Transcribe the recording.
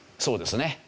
そうですね。